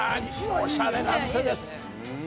おしゃれな店です！